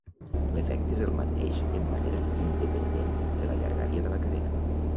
L'efecte és el mateix en manera independent de la llargària de la cadena.